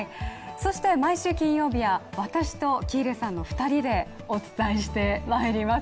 そして、毎週金曜日は私と喜入さんの２人でお伝えしてまいります。